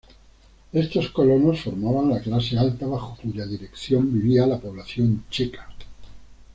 Estos colonos formaban la clase alta bajo cuya dirección vivía la población checa.